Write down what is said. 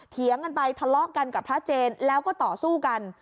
เถียงกันไปทะเลาะกันกับพระเจนแล้วก็ต่อสู้กัน